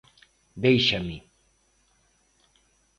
Déixame.